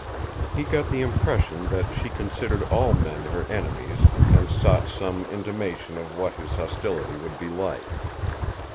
He got the impression that she considered all men her enemies and sought some intimation of what his hostility would be like.